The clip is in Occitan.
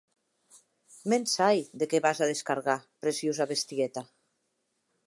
Me’n sai de qué vas a descargar, preciosa bestieta.